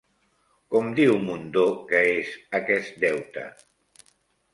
Com diu Mundó que és aquest deute?